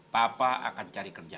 papa akan cari kerja